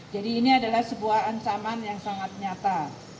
jadi ini adalah sebuah ancaman yang sangat nyata